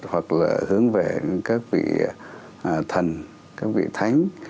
hoặc là hướng về các vị thần các vị thánh